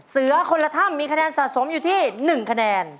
เสือคนละถ้ำมีคะแนนสะสมอยู่ที่๑คะแนน